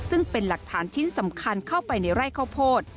ซึ่งเป็นหลักฐานชิ้นสำคัญเข้าไปในไร่ข้าวโพด